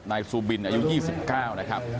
ซูบินอายุ๒๙นะครับ